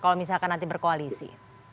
kalau misalkan nanti berkoalisi